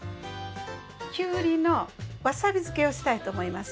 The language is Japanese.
きゅうりのわさび漬けをしたいと思います。